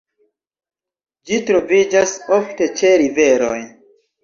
Ĝi troviĝas ofte ĉe riveroj.